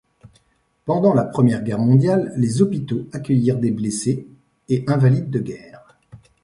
Pendant la Première Guerre mondiale, les hôpitaux accueillirent des blessés et invalides de guerre.